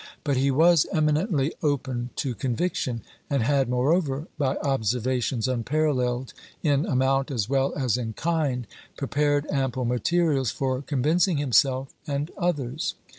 But he was eminently open to conviction, and had, moreover, by observations unparalleled in amount as well as in kind, prepared ample materials for convincing himself and others.